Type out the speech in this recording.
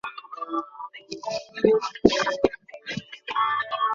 গতকাল রোববার তাকে ঢাকার শিশু আদালতে হাজির করে যাত্রাবাড়ী থানার পুলিশ।